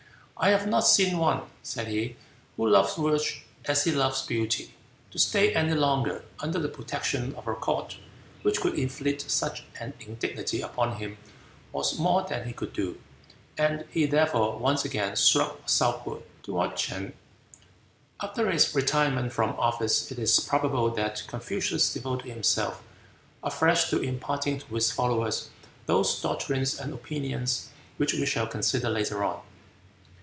"I have not seen one," said he, "who loves virtue as he loves beauty." To stay any longer under the protection of a court which could inflict such an indignity upon him was more than he could do, and he therefore once again struck southward toward Ch'in. After his retirement from office it is probable that Confucius devoted himself afresh to imparting to his followers those doctrines and opinions which we shall consider later on.